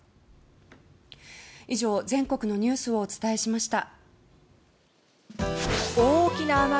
以上、全国のニュースをお伝えしました。